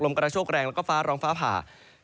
กระโชคแรงแล้วก็ฟ้าร้องฟ้าผ่า